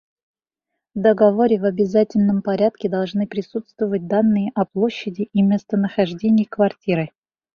В договоре в обязательно порядке должны присутствовать данные о площади и местонахождении квартиры.